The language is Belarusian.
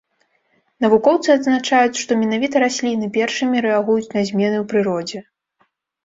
Навукоўцы адзначаюць, што менавіта расліны першымі рэагуюць на змены ў прыродзе.